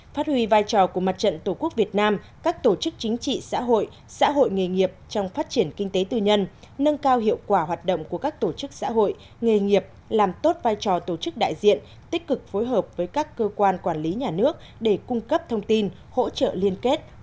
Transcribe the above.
phát huy vai trò của mặt trận tổ quốc việt nam các tổ chức chính trị xã hội xã hội nghề nghiệp trong phát triển kinh tế tư nhân nâng cao hiệu quả hoạt động của các tổ chức xã hội nghề nghiệp làm tốt vai trò tổ chức đại diện tích cực phối hợp với các cơ quan quản lý nhà nước để cung cấp thông tin hỗ trợ liên kết